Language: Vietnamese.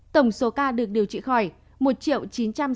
tổng số ca được điều trị khỏi một chín trăm sáu mươi hai năm trăm chín mươi bảy ca